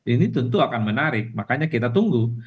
ini tentu akan menarik makanya kita tunggu